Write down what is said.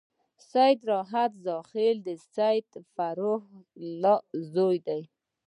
سید راحت زاخيلي د سید فریح الله زوی و.